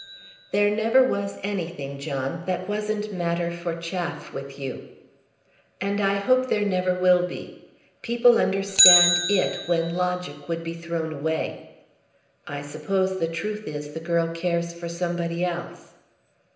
"There never was anything, John, that wasn't matter for chaff with you." "And I hope there never will be. People understand it when logic would be thrown away. I suppose the truth is the girl cares for somebody else."